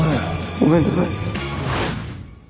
ごめんなさい。